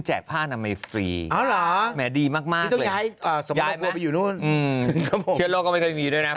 เชื้อโลกก็ไม่เคยมีด้วยนะ